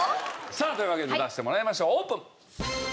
さあというわけで出してもらいましょうオープン！